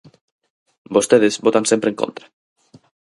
Vostedes votan sempre en contra.